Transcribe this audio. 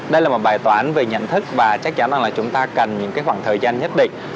đây là một bài toán về nhận thức và chắc chắn là chúng ta cần những khoảng thời gian nhất định